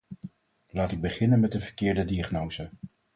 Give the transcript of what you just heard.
Laat ik beginnen met de verkeerde diagnose.